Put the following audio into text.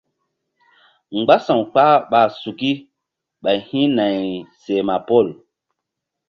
Mgbása̧w kpah ɓa suki ɓay hi̧nayri seh ma pol.